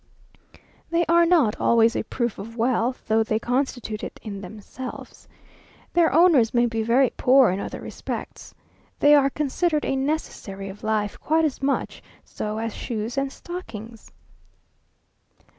They are not always a proof of wealth, though they constitute it in themselves. Their owners may be very poor in other respects. They are considered a necessary of life; quite as much so as shoes and stockings.